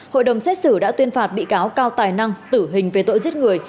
hội đồng xét xử đã tuyên phạt bị cáo cao tài năng tử hình về tội giết người